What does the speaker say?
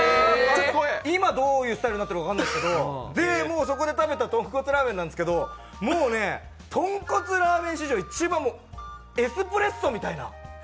今、どういうスタイルになってるか分からないですけど、そこで食べたとんこつラーメンなんですけれども、とんこつラーメン史上一番エスプレッソみたいな。